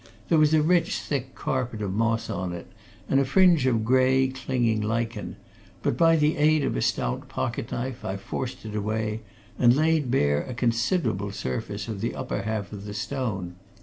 There was a rich, thick carpet of moss on it, and a fringe of grey, clinging lichen, but by the aid of a stout pocket knife I forced it away, and laid bare a considerable surface of the upper half of the stone.